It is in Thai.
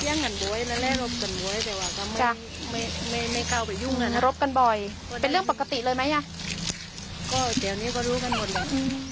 เนี่ยรบกันบ่อยเป็นเรื่องปกติเลยไหมอะก็เดี๋ยวนี้ก็รู้กันหมดแหละ